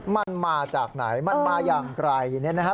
มันมาจากไหนมันมาอย่างไกลเนี่ยนะครับ